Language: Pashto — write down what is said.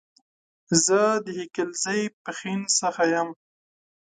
زه د هيکلزئ ، پښين سخه يم